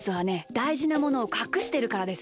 だいじなものをかくしてるからです。